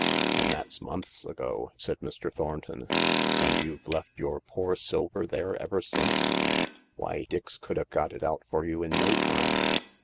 "And that's months ago," said Mr. Thornton, "and you've left your poor silver there ever since ? Why, Dix could have got it out for you in no time."